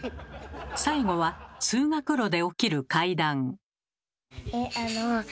最後は通学路で起きる怪談。